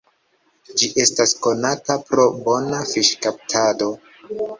Ĝi estas konata pro bona fiŝkaptado.